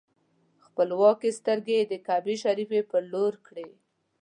خپلې سترګې یې د کعبې شریفې پر لور کړې.